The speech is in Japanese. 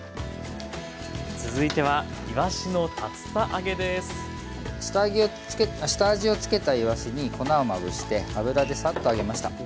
続いては下味をつけたいわしに粉をまぶして油でサッと揚げました。